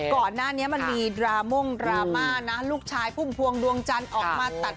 ก่อนหน้านี้มันมีดราม่งดราม่านะลูกชายพุ่มพวงดวงจันทร์ออกมาตัด